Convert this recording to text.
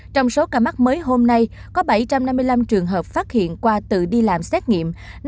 trong số ca mắc mới hôm nay có bảy trăm năm mươi năm trường hợp phát hiện qua tự đi làm xét nghiệm